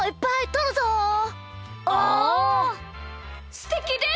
すてきですね！